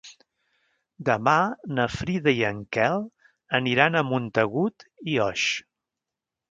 Demà na Frida i en Quel aniran a Montagut i Oix.